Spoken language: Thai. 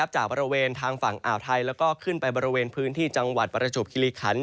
จากบริเวณทางฝั่งอ่าวไทยแล้วก็ขึ้นไปบริเวณพื้นที่จังหวัดประจวบคิริขัน